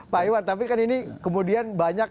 pak iwan tapi kan ini kemudian banyak